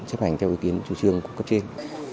chấp hành theo ý kiến chủ trương của cấp trên